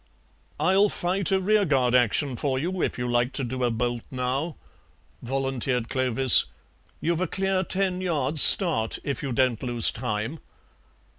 "I'll fight a rearguard action for you if you like to do a bolt now," volunteered Clovis; "you've a clear ten yards start if you don't lose time."